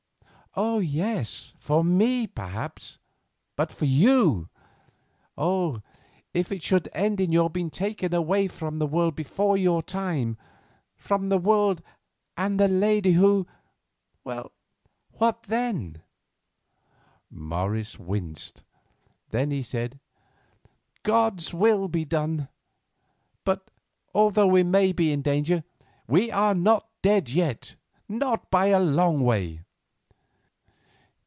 "Yes, for me, perhaps—but for you! Oh, if it should end in your being taken away from the world before your time, from the world and the lady who—what then?" Morris winced; then he said: "God's will be done. But although we may be in danger, we are not dead yet; not by a long way."